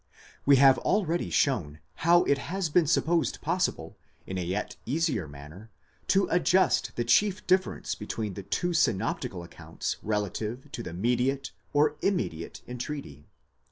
We have already shown how it has been supposed possible, in a yet easier manner, to adjust the chief difference between the two synoptical accounts relative to the mediate or immediate entreaty.